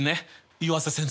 湯浅先生。